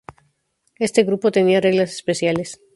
Este grupo tenía reglas especiales.